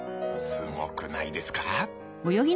すごくないですか？